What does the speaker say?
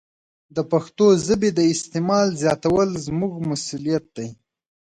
د پښتو ژبې د استعمال زیاتول زموږ مسوولیت دی.